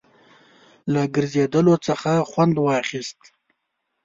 له ګرځېدلو څخه خوند واخیست.